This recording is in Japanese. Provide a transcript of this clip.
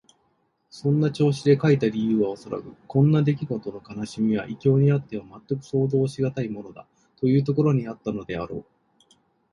そんな調子で書いた理由はおそらく、こんなできごとの悲しみは異郷にあってはまったく想像しがたいものだ、というところにあったのであろう。